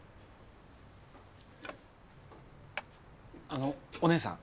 あのおねえさん。